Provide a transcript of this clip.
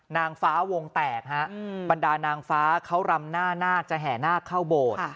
นางฟ้าวงแตกฮะบรรดานางฟ้าเขารำหน้านาคจะแห่นาคเข้าโบสถ์